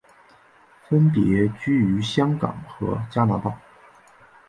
分别居于香港和加拿大。